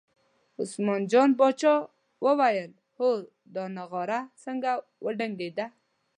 عثمان جان پاچا وویل هو دا نغاره څنګه وډنګېده.